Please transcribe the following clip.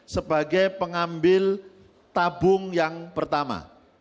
sebagai pengambil tabung yang pertama